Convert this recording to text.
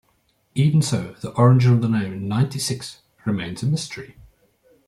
Even so, the origin of the name "Ninety-Six" remains a mystery.